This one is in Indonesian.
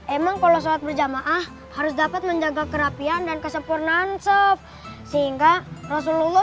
emang kalau sholat berjamaah harus dapat menjaga kerapian dan kesempurnaan sof sehingga rasulullah